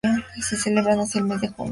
Se celebran hacia el mes de junio.